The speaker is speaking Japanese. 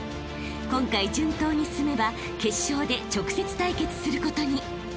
［今回順当に進めば決勝で直接対決することに］